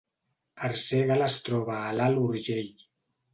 Arsèguel es troba a l’Alt Urgell